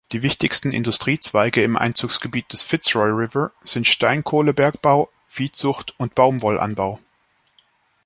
Die wichtigsten Industriezweige im Einzugsgebiet des Fitzroy River sind Steinkohlenbergbau, Viehzucht und Baumwollanbau.